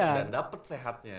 dan dapet sehatnya